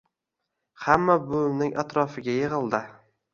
Hamma buvimning atrofiga yig`ildi